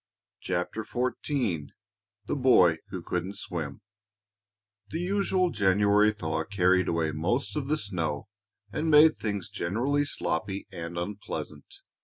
CHAPTER XIV THE BOY WHO COULDN'T SWIM The usual January thaw carried away most of the snow and made things generally sloppy and unpleasant.